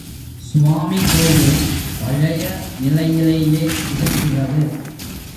சுவாமி கோயில் பழைய நிலையிலேயே இருக்கிறது.